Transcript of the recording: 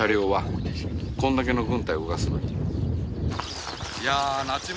これだけの軍隊を動かすのに。